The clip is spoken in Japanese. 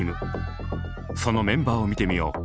そのメンバーを見てみよう。